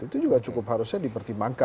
itu juga cukup harusnya dipertimbangkan